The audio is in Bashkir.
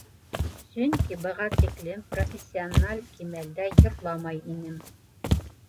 Сөнки быға тиклем профессиональ кимәлдә йырламай инем.